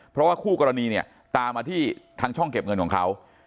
เพราะว่าคู่กรณีเนี่ยตามมาที่ทางช่องเก็บเงินของเขา